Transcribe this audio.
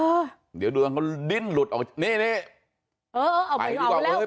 เออเดี๋ยวดูกันเขาดิ้นหลุดออกนี่นี่เออเอาไปดีกว่าเอ้ย